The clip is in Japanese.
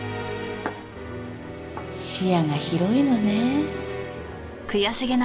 視野が広いのね。